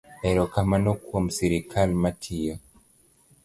Erokamano kuom sirikal matiyo.